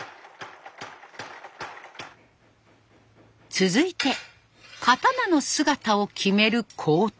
続いて刀の姿を決める工程。